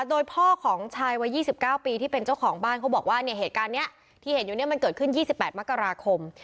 โดยพ่อของชายวัย๒๙ปีที่เป็นเจ้าของบ้านเขาบอกว่าเนี่ยเหตุการณ์นี้ที่เห็นอยู่เนี่ยมันเกิดขึ้น๒๘มกราคม